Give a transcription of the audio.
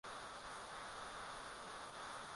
Mimi ni mwanaspoti na napenda sana riadha.